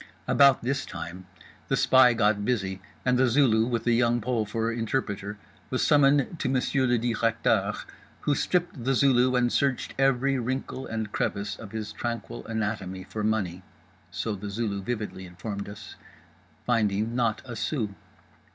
About this time The Spy got busy and The Zulu, with The Young Pole for interpreter, was summoned to Monsieur le Directeur, who stripped The Zulu and searched every wrinkle and crevice of his tranquil anatomy for money (so The Zulu vividly informed us)—finding not a sou.